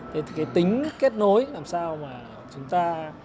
thế thì cái tính kết nối làm sao mà chúng ta